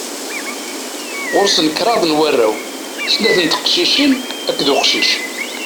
Ɣur-sen kraḍ n warraw: snat n teqcicin akked uqcic.